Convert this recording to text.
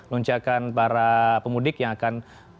luncakan para pemudik yang akan